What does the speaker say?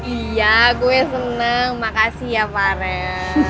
iya gue seneng makasih ya farel